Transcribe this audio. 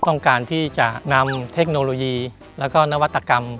ต้องการที่จะนำเทคโนโลยีแล้วก็นวัตกรรม